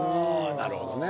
なるほどね。